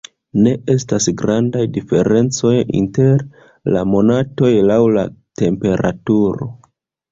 Ne estas grandaj diferencoj inter la monatoj laŭ la temperaturo.